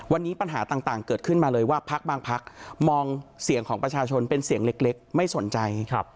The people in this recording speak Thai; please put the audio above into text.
วันนี้ปัญหาต่างเกิดขึ้นมาเลยว่าพักบางพักมองเสียงของประชาชนเป็นเสียงเล็กไม่สนใจ